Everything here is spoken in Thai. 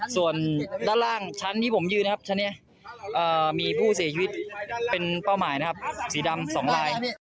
ส่วนด้านล่างชั้นที่ผมอยู่นะครับันมีผู้เสียใชวีเป้าหมายสีดำ๒ลาย